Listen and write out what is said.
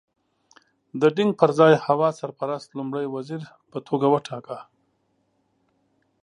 د دینګ پر ځای هوا سرپرست لومړی وزیر په توګه وټاکه.